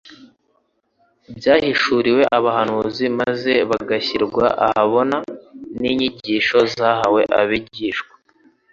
byahishuriwe abahanuzi maze bigashyirwa ahabona n'inyigisho zahawe abigishwa